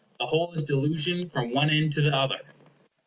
The whole is delusion from one end to the other.